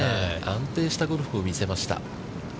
安定したゴルフを見せました。